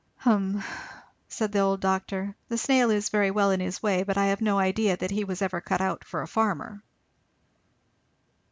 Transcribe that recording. "Hum " said the old doctor, "the snail is very well in his way, but I have no idea that he was ever cut out for a farmer."